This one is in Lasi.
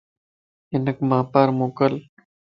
ھنک مان پار موڪل